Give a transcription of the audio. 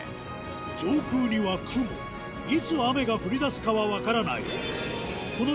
上空には雲いつ雨が降り出すかは分からない